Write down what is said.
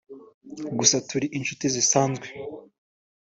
gusa turi inshuti zisanzwe